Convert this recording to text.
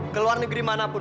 keluar negeri manapun